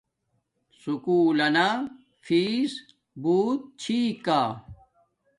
سکُول لنا فیس بوت چھی کا